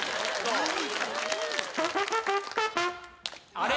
あれ？